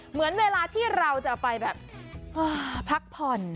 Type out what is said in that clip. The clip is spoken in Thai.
เหมือนเวลาที่เราจะไปแบบพักผ่อน